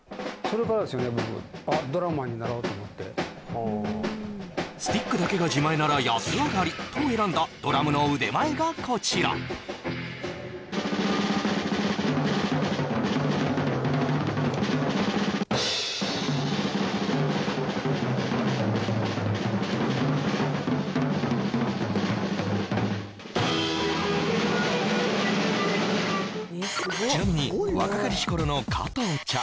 僕スティックだけが自前なら安上がりと選んだドラムの腕前がこちらちなみに若かりし頃の加藤茶